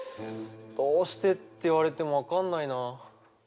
どうしてって言われても分かんないな。